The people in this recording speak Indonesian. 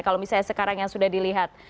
kalau misalnya sekarang yang sudah dilihat